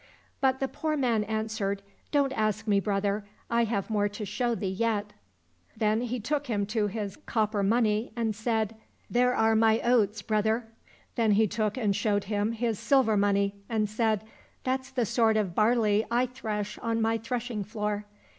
But the poor man answered, " Don't ask me, brother. I have more to show thee yet." Then he took him to his copper money, and said, " There are my oats, brother !" Then he took and showed him his silver money, and said, " That's the sort of barley I thresh on my threshing floor